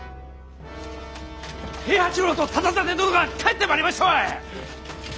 平八郎と忠真殿が帰ってまいりましたわい！